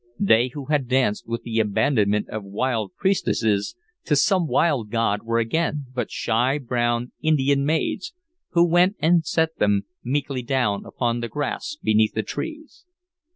They who had danced with the abandonment of wild priestesses to some wild god were again but shy brown Indian maids who went and set them meekly down upon the grass beneath the trees.